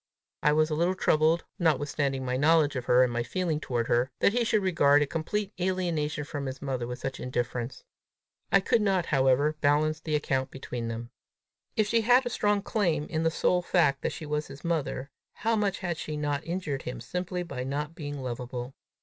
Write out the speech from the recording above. I was a little troubled, notwithstanding my knowledge of her and my feeling toward her, that he should regard a complete alienation from his mother with such indifference. I could not, however, balance the account between them! If she had a strong claim in the sole fact that she was his mother, how much had she not injured him simply by not being lovable!